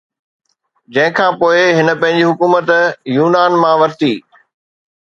جنهن کان پوءِ هن پنهنجي حڪومت يونان مان ورتي